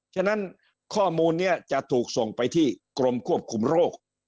ฉะนั้นข้อมูลนี้จะถูกส่งไปที่กรมควบคุมโรค